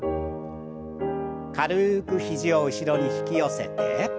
軽く肘を後ろに引き寄せて。